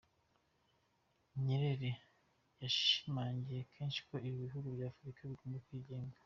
Nyerere yashimangiye kenshi ko ibi bihugu bya Afurika bigomba kwigenga.